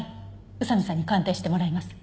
宇佐見さんに鑑定してもらいます。